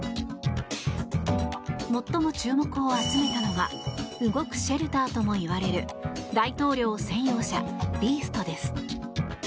最も注目を集めたのが動くシェルターともいわれる大統領専用車「ビースト」です。